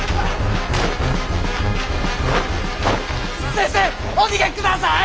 先生お逃げください！